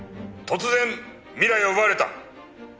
突然未来を奪われた。